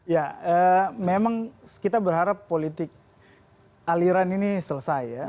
ya memang kita berharap politik aliran ini selesai ya